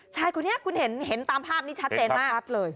ชายคนนี้คุณเห็นตามภาพนี้ชัดเจนมากชัดเลย